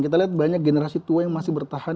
kita lihat banyak generasi tua yang masih bertahan